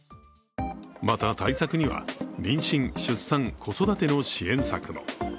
また、対策には妊娠、出産、子育ての支援策も。